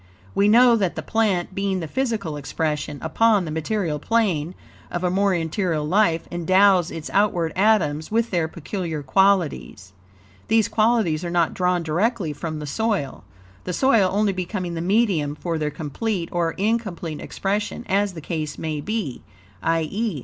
We know that the plant, being the physical expression upon the material plane of a more interior life, endows its outward atoms with their peculiar qualities. THESE QUALITIES ARE NOT DRAWN DIRECTLY FROM THE SOIL; the soil only becoming the medium for their complete or incomplete expression, as the case may be; i.e.